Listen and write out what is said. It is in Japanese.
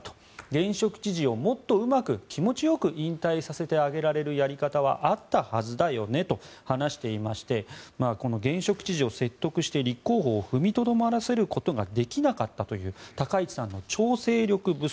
現職知事をもっとうまく気持ちよく引退させてあげられるやり方はあったはずだよねと話していましてこの現職知事を説得して立候補を思いとどまらせることができなかった高市さんの調整力不足